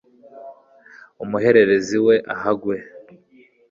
umuhererezi we ahagwe